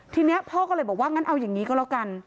ทีนี้พ่อก็เลยบอกว่างั้นเอาอย่างนี้ก็แล้วกัน